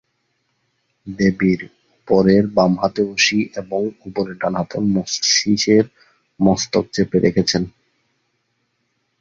দেবীর উপরের বামহাতে অসি এবং উপরের ডানহাতে মহিষের মস্তক চেপে রেখেছেন।